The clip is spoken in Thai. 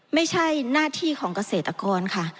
ไม่ใช่หน้าที่ของเกษตรกรค่ะ